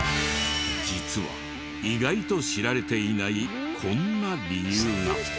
実は意外と知られていないこんな理由が。